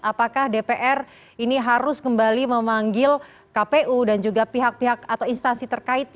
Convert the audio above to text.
apakah dpr ini harus kembali memanggil kpu dan juga pihak pihak atau instansi terkait